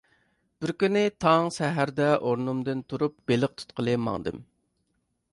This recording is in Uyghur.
بىر كۈنى تاڭ سەھەردە ئورنۇمدىن تۇرۇپ بېلىق تۇتقىلى ماڭدىم.